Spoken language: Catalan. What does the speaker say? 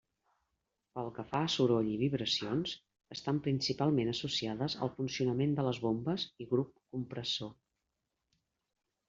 Pel que fa a soroll i vibracions, estan principalment associades al funcionament de les bombes i grup compressor.